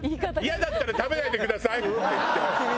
嫌だったら食べないでくださいって言って。